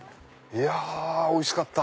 いやおいしかった。